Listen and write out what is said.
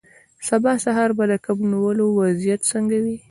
سبا سهار به د کب نیولو وضعیت څنګه وي